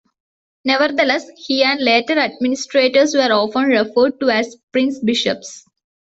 Nevertheless, he and later administrators were often referred to as prince-bishops.